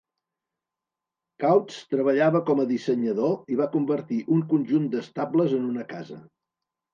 Coutts treballava com a dissenyador i va convertir un conjunt d'estables en una casa.